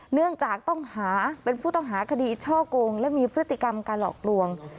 เนื่องจากต้องหาเป็นผู้ต้องหาคดีช่อกงและมีพฤติกรรมการหลอกลวง